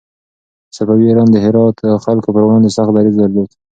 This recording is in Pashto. صفوي ایران د هرات د خلکو پر وړاندې سخت دريځ درلود.